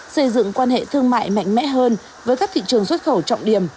xây dựng quan hệ thương mại mạnh mẽ hơn với các thị trường xuất khẩu trọng điểm